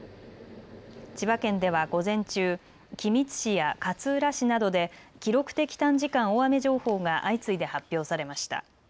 千葉県では午前中、君津市や勝浦市などで記録的短時間大雨情報が相次いで発表されました。